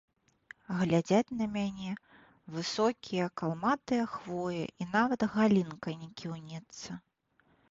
Глядзяць на мяне высокія калматыя хвоі і нават галінка не кіўнецца.